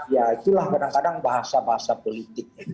ya itulah kadang kadang bahasa bahasa politik